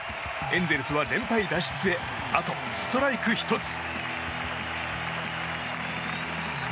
エンゼルスは連敗脱出へあとストライク１つ。